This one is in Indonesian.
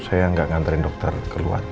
saya nggak nganterin dokter keluar